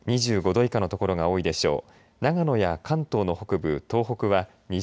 ２５度以下の所が多いでしょう。